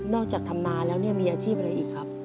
จากทำนาแล้วเนี่ยมีอาชีพอะไรอีกครับ